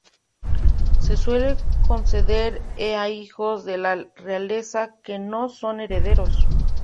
Se suele conceder a hijos de la realeza que no son herederos.